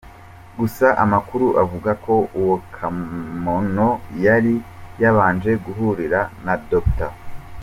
Gusa amakuru avuga ko uwo Kamono yari yabanje guhurira na Dr.